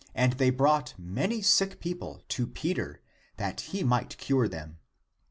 ACTS OF PETER S3 brought many sick people to Peter, that he might cure them.